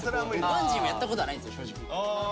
バンジーもやったことはないんですよ正直。